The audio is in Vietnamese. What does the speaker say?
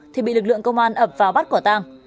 thì bị lực lượng công an ập vào bắt quả tang